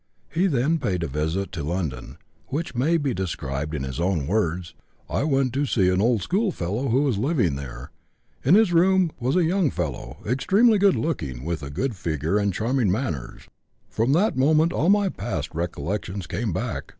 He then paid a visit to London, which may be described in his own words: "I went to see an old schoolfellow who was living there. In his room was a young fellow, fair, extremely good looking, with a good figure and charming manners. From that moment all my past recollections came back.